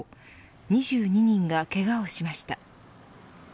２２人がけがをしました。